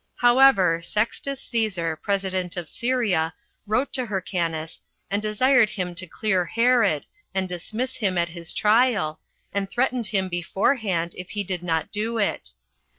] However, Sextus Cæsar, president of Syria, wrote to Hyrcanus, and desired him to clear Herod, and dismiss him at his trial, and threatened him beforehand if he did not do it.